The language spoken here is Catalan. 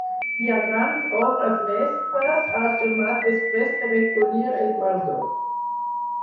Hi ha grans obres mestres, ha afirmat després de recollir el guardó.